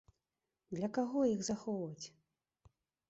Для каго іх захоўваць?